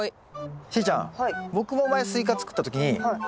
しーちゃん僕も前スイカ作った時に３個作りました。